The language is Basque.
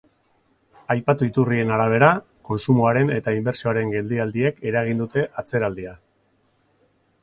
Aipatu iturrien arabera, kontsumoaren eta inbertsioaren geldialdiek eragin dute atzeraldia.